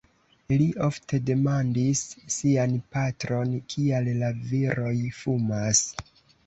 Li ofte demandis sian patron, kial la viroj fumas.